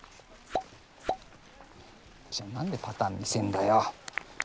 じゃあ何でパターン見せんだよ！